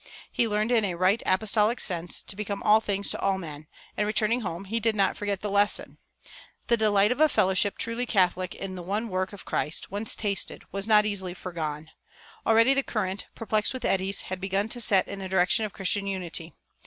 He learned in a right apostolic sense to become all things to all men, and, returning home, he did not forget the lesson. The delight of a fellowship truly catholic in the one work of Christ, once tasted, was not easily foregone. Already the current, perplexed with eddies, had begun to set in the direction of Christian unity.